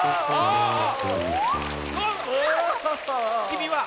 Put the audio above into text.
きみは。